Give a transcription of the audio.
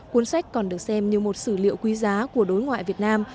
cuốn sách còn được xem như một sử liệu quý giá của đối ngoại việt nam